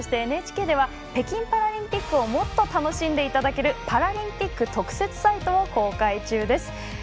ＮＨＫでは北京パラリンピックをもっと楽しんでいただけるパラリンピック特設サイトを公開中です。